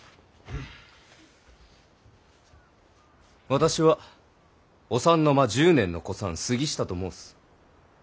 私はお三の間１０年の古参杉下と申す。